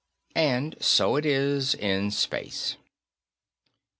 And so it is in space.